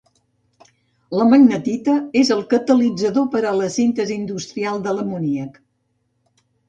La magnetita és el catalitzador per a la síntesi industrial de l'amoníac.